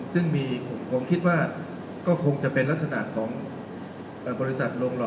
ซึ่งมีผมคิดว่าก็คงจะเป็นลักษณะของบริษัทโรงหล